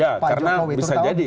ya karena bisa jadi